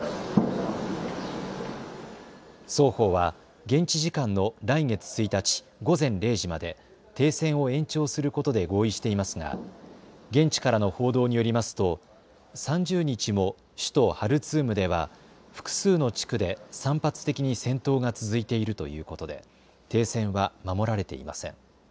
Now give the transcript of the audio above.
双方は現地時間の来月１日午前０時まで停戦を延長することで合意していますが現地からの報道によりますと３０日も首都ハルツームでは複数の地区で散発的に戦闘が続いているということで停戦は守られていません。